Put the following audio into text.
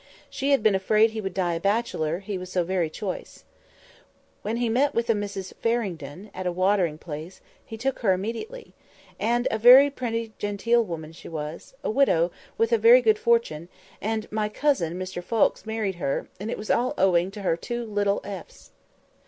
She had been afraid he would die a bachelor, he was so very choice. When he met with a Mrs ffarringdon, at a watering place, he took to her immediately; and a very pretty genteel woman she was—a widow, with a very good fortune; and 'my cousin,' Mr ffoulkes, married her; and it was all owing to her two little ffs."